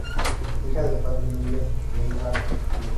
Hija de Patti Miller-Reinhart y Harry Reinhart, ambos músicos.